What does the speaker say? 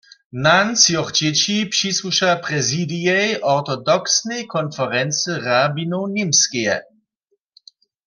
Nan třoch dźěći přisłuša prezidijej Ortodoksnej konferency rabinow Němskeje.